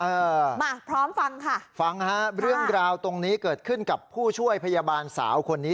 เออมาพร้อมฟังค่ะฟังฮะเรื่องราวตรงนี้เกิดขึ้นกับผู้ช่วยพยาบาลสาวคนนี้